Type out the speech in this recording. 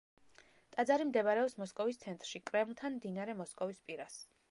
ტაძარი მდებარეობს მოსკოვის ცენტრში კრემლთან მდინარე მოსკოვის პირას.